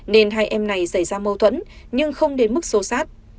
nên hai em này xảy ra mâu thuẫn nhưng không đến mức sâu sát